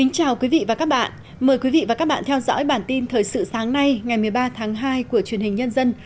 chào mừng quý vị đến với bản tin thời sự sáng nay ngày một mươi ba tháng hai của truyền hình nhân dân